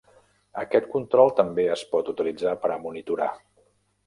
Aquest control també es pot utilitzar per a monitorar.